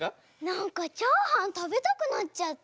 なんかチャーハンたべたくなっちゃった。